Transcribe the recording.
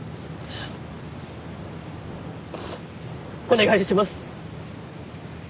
お願いします！